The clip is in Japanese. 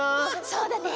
そうだね。